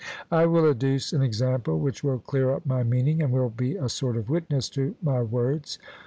I will adduce an example which will clear up my meaning, and will be a sort of witness to my words.